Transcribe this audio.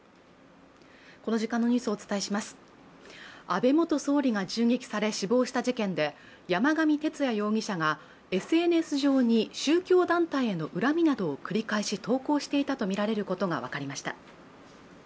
安倍元総理が銃撃され死亡した事件で山上徹也容疑者がＳＮＳ上に宗教団体への恨みなどを繰り返し投稿していたとみられることが分かりました。